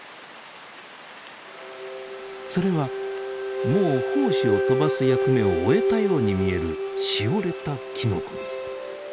それはもう胞子を飛ばす役目を終えたように見えるしおれたきのこです。